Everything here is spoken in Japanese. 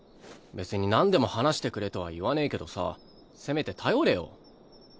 別になんでも話してくれとは言わねぇけどさせめて頼れよ。